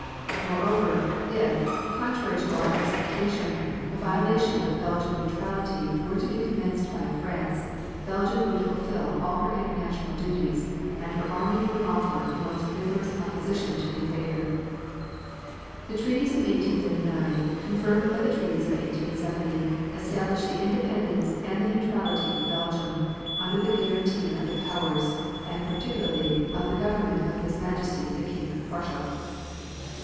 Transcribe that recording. Moreover, if, contrary to our expectation, a violation of Belgian neutrality were to be committed by France, Belgium would fulfil all her international duties and her army would offer the most vigorous opposition to the invader. The treaties of 1839, confirmed by the treaties of 1870, establish the independence and the neutrality of Belgium under the guarantee of the powers, and particularly of the Government of his Majesty the King of Prussia.